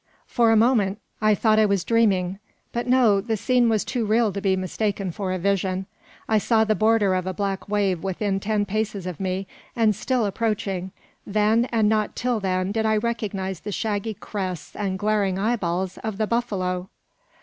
For a moment I thought I was dreaming; but no, the scene was too real to be mistaken for a vision. I saw the border of a black wave within ten paces of me, and still approaching! Then, and not till then, did I recognise the shaggy crests and glaring eyeballs of the buffalo!